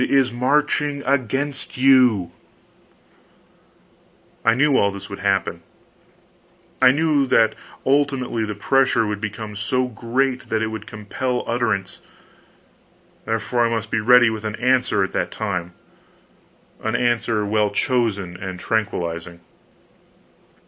is marching against you! I knew all this would happen; I knew that ultimately the pressure would become so great that it would compel utterance; therefore, I must be ready with an answer at that time an answer well chosen and tranquilizing.